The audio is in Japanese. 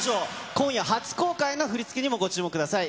今夜初公開の振り付けにもご注目ください。